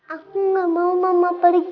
aku gak mau mama pelik